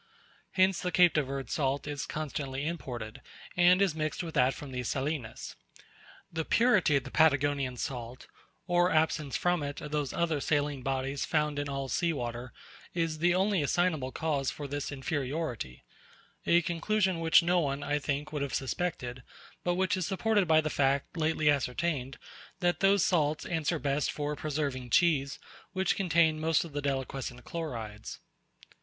Hence the Cape de Verd salt is constantly imported, and is mixed with that from these salinas. The purity of the Patagonian salt, or absence from it of those other saline bodies found in all sea water, is the only assignable cause for this inferiority: a conclusion which no one, I think, would have suspected, but which is supported by the fact lately ascertained, that those salts answer best for preserving cheese which contain most of the deliquescent chlorides.